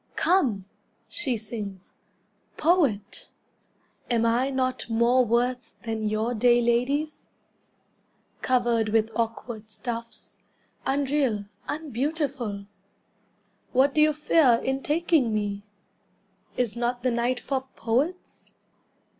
"Come," she sings, "Poet! Am I not more worth than your day ladies, Covered with awkward stuffs, Unreal, unbeautiful? What do you fear in taking me? Is not the night for poets?